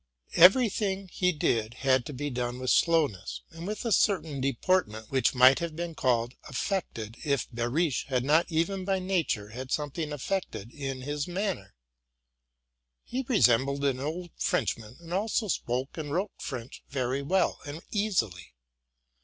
Every thing he did had to be done with slowness, and with a certain deportment which might have been called affected if Behrisch had not even by nature had some thing affected in his manner, He resembled an old French RELATING TO MY LIFE. 247 man, and also spoke and wrote French very well and easily.